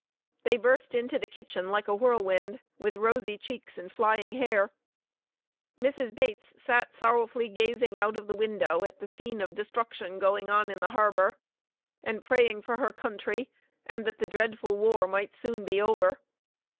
They burst into the kitchen like a whirlwind, with rosy cheeks and flying hair. Mrs. Bates sat sorrowfully gazing out of the window at the scene of destruction going on in the harbor, and praying for her country and that the dreadful war might soon he over.